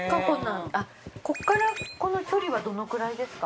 こっからこの距離はどのくらいですか？